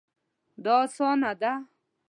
دا اسانه ده